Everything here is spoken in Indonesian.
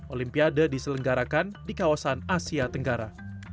olimpiade diselenggarakan di kawasan asia tenggara